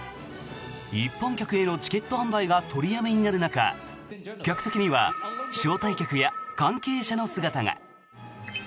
一般客へのチケット販売が取りやめになる中客席には関係者や招待客の姿が。